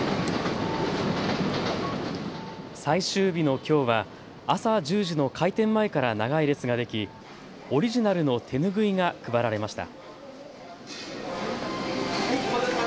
最終日のきょうは朝１０時の開店前から長い列ができ、オリジナルの手拭いが配られました。